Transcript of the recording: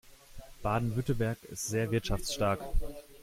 Baden-Württemberg ist sehr wirtschaftsstark.